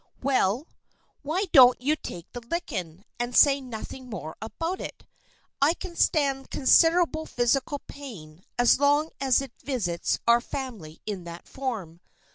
"Well, why don't you take the lickin' and say nothing more about it? I can stand considerable physical pain, so long as it visits our family in that form.